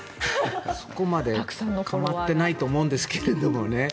そこまでかまってないと思うんですけどね。